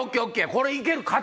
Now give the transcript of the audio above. これ行ける！